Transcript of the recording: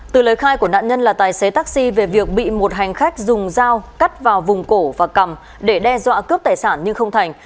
từ lời khai của nạn nhân là tài xế taxi về việc bị một hành khách dùng dao cắt vào vùng cổ và cầm để đe dọa cướp tài sản nhưng không thành